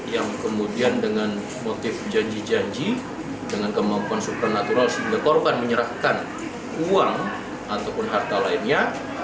yang kemudian dengan motif janji janji dengan kemampuan supranatural sehingga korban menyerahkan uang ataupun harta lainnya